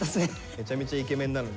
めちゃめちゃイケメンなのにね。